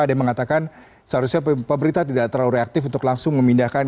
ada yang mengatakan seharusnya pemerintah tidak terlalu reaktif untuk langsung memindahkan